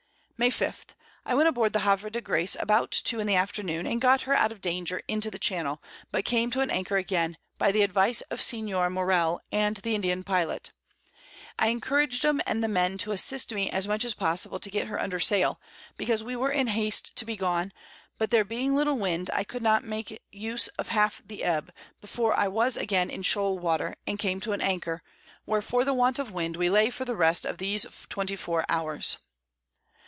May 5. I went aboard the Havre de Grace about 2 in the Afternoon, and got her out of Danger into the Channel, but came to an Anchor again, by the Advice of Senior Morell and the Indian Pilot: I encourag'd 'em and the Men to assist me as much as possible to get her under Sail, because we were in hast to be gone, but there being little Wind, I could not make use of half the Ebb, before I was again in shole Water, and came to an Anchor, where for the want of Wind we lay for the rest of these 24 Hours.